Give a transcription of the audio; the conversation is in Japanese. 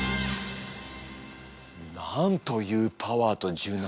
なんというパワーと柔軟性。